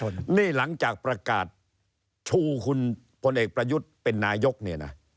นี่นี่นี่นี่นี่นี่